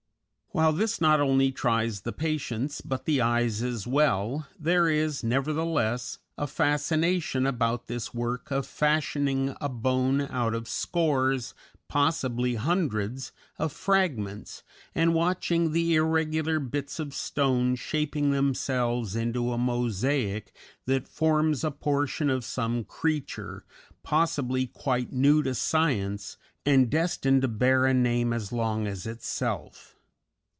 While this not only tries the patience, but the eyes as well, there is, nevertheless, a fascination about this work of fashioning a bone out of scores, possibly hundreds, of fragments, and watching the irregular bits of stone shaping themselves into a mosaic that forms a portion of some creature, possibly quite new to science, and destined to bear a name as long as itself.